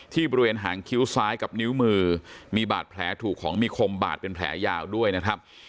ที่บริเวณหางคิ้วซ้ายกับนิ้วมือมีบาดแผลถูกของมีคมบาดเป็นแผลยาวด้วยนะครับ